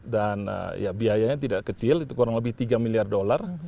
dan biayanya tidak kecil itu kurang lebih tiga miliar dolar